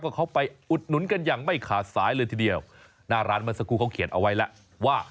ก็เขาไปอุดหนุนกันอย่างไม่ขาดสายเลยทีเดียวหน้าร้านเมื่อสักครู่เขาเขียนเอาไว้แล้วว่า